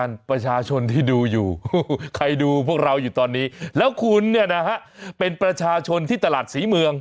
อาจจะออกมากอย่างนี้แล้วก็ปล่อยมาคืน